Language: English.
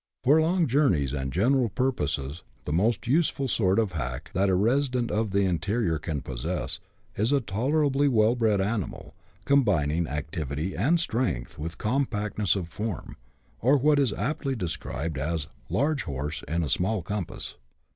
For long journeys and general purposes, the most useful sort of hack that a resident in the interior can possess, is a tolerably well bred animal, combining activity and strength with compact ness of form, or what is aptly described as a " large horse in a small compass."